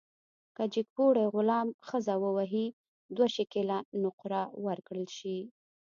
که جګپوړي غلام ښځه ووهي، دوه شِکِله نقره ورکړل شي.